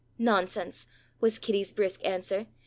"Nonsense!" was Kitty's brisk answer.